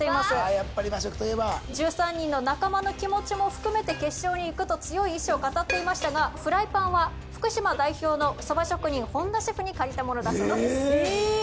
やっぱり和食といえば１３人の仲間の気持ちも含めて決勝に行くと強い意志を語っていましたがフライパンは福島代表のそば職人本田シェフに借りたものだそうですええー？